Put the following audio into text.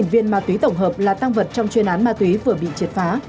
một mươi viên ma túy tổng hợp là tăng vật trong chuyên án ma túy vừa bị triệt phá